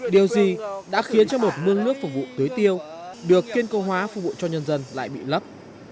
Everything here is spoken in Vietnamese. điều gì đã khiến cho một mương nước phục vụ tưới tiêu được kiên câu hóa phục vụ cho nhân dân lại bị lấp